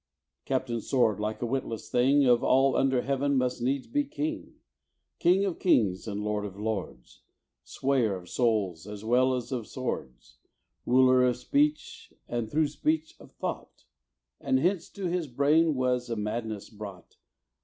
Captain Sword, like a witless thing, Of all under heaven must needs be king, King of kings, and lord of lords, Swayer of souls as well as of swords, Ruler of speech, and through speech, of thought; And hence to his brain was a madness brought.